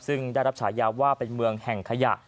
ซึ่งได้รับฉายาว่าเป็นเมืองแห่งขยะ